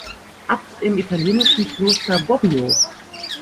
Abt im italienischen Kloster Bobbio.